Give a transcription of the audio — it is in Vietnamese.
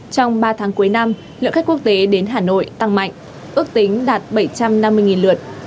trong ba tháng cuối năm lượng khách quốc tế đến hà nội tăng mạnh ước tính đạt bảy trăm năm mươi lượt